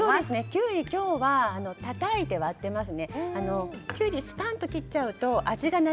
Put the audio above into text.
きゅうりはたたいて割っています。